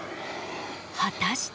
果たして。